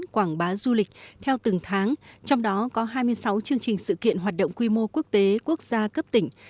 quảng bá du lịch theo từng tháng trong đó có hai mươi sáu chương trình sự kiện hoạt động quy mô quốc tế quốc gia cấp tỉnh